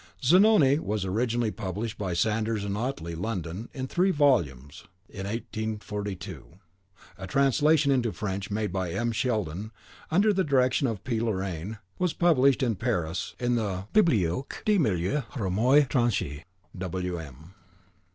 "Zanoni" was originally published by Saunders and Otley, London, in three volumes 12mo., in 1842. A translation into French, made by M. Sheldon under the direction of P. Lorain, was published in Paris in the "Bibliotheque des Meilleurs Romans Etrangers." W.M.